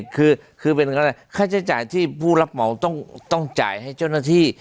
คือเป็นก็ได้ค่าใช้จ่ายที่ผู้รับเหมาต้องจ่ายให้เจ้าหน้าที่